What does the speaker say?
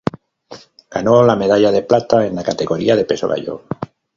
Ganó la medalla de plata en la categoría de peso gallo.